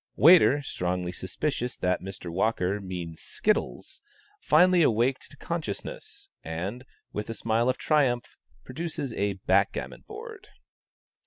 Waiter, strongly suspicious that Mr. Walker means skittles, finally awaked to consciousness, and, with a smile of triumph, produces a backgammon board.